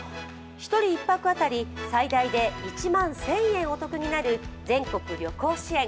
１人１泊当たり最大で１万１０００円お得になる全国旅行支援。